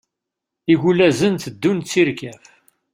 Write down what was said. Igulazen teddun d tirkaf.